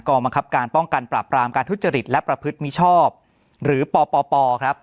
บังคับการป้องกันปราบปรามการทุจริตและประพฤติมิชอบหรือปปครับ